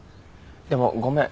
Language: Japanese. でもごめん。